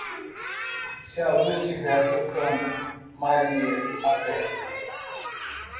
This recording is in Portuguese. Se a lua estiver tocando, marinheiro a pé.